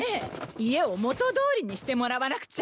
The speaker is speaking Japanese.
家を元通りにしてもらわなくちゃ。